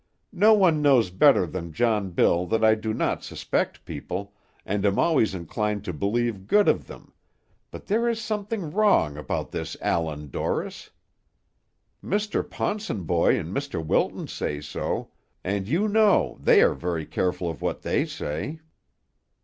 No one knows better than John Bill that I do not suspect people, and am always inclined to believe good of them, but there is something wrong about this Allan Dorris. Mr. Ponsonboy and Mr. Wilton say so, and you know they are very careful of what they say."